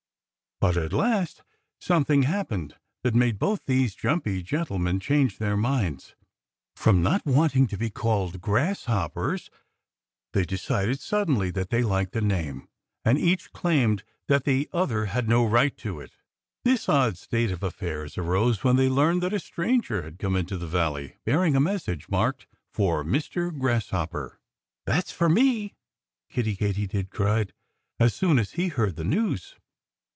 But at last something happened that made both those jumpy gentlemen change their minds. From not wanting to be called Grasshoppers, they decided suddenly that they liked the name. And each claimed that the other had no right to it. This odd state of affairs arose when they learned that a stranger had come into the valley bearing a message marked "For Mr. Grasshopper." "That's for me!" Kiddie Katydid cried, as soon as he heard the news.